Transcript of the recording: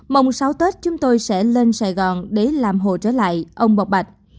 mong sáu tết chúng tôi sẽ lên sài gòn để làm hồ trở lại ông bọc bạch